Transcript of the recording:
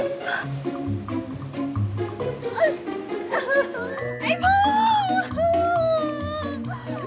ริจ๊ะ